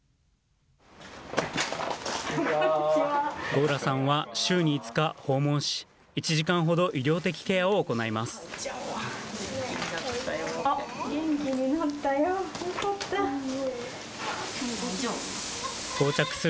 吾浦さんは週に５日訪問し１時間ほど医療的ケアを行います。